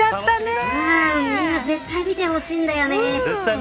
みんな絶対に見てほしいんだよね。